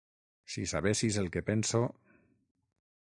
Si sabessis el que penso!